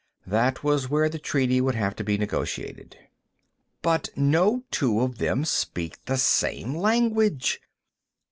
That was where the treaty would have to be negotiated. [Illustration: "... But no two of them speak the same language!"